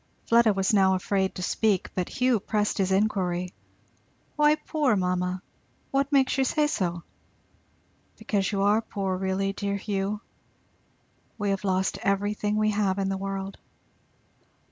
Fleda was now afraid to speak, but Hugh pressed his inquiry. "Why 'poor' mamma? what makes you say so?" "Because you are poor really, dear Hugh. We have lost everything we have in the world."